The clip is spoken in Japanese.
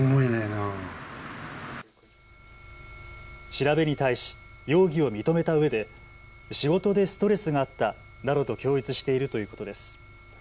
調べに対し容疑を認めたうえで仕事でストレスがあったなどと供述しているということです。